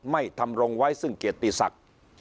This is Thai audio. ไม่ทำรงไว้ซึ่งเกียรติศักดิ์